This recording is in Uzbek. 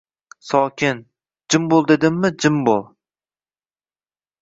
Sokin, jim bo‘l dedimmi jim bo‘l.